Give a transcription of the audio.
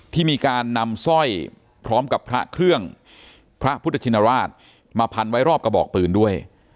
ที่มีการนำสร้อยพร้อมกับพระเครื่องพระพุทธชินราชมาพันไว้รอบกระบอกปืนด้วย